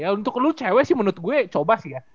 ya untuk lo cewek sih menurut gue coba sih ya